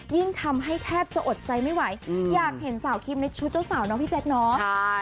ยิ่งทำให้แทบจะอดใจไม่ไหวอยากเห็นสาวคิมในชุดเจ้าสาวเนาะพี่แจ๊คเนาะ